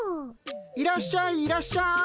いらっしゃいいらっしゃい。